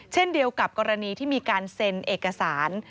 เช่นเดียวกับกรณีที่มีการเซ็นเอกสาร